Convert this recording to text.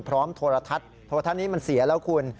โทรทัศน์โทรทัศน์นี้มันเสียแล้วคุณ